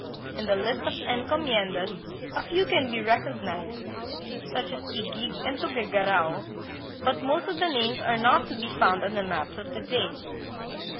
In the list of encomiendas a few can be recog nized, such as Yguig and Tuguegarao, but most of the names are not to be found on maps of to day.